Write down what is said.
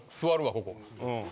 ここ。